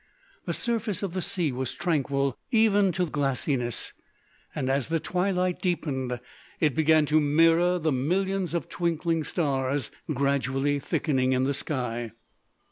The surface of the sea was tranquil even to glassiness; and as the twilight deepened, it began to mirror the millions of twinkling stars gradually thickening in the sky.